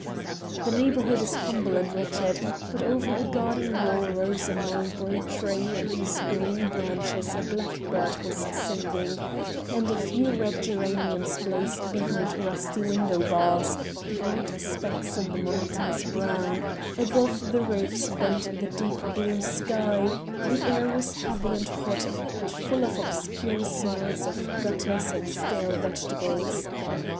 The neighborhood is humble and wretched, but over a garden wall rose a mulberry tree in whose green branches a blackbird was singing, and a few red geraniums blazed behind rusty window bars, bright specks in the monotonous brown; above the roofs bent the deep blue sky; the air was heavy and hot, and full of obscure smells of gutters and stale vegetables.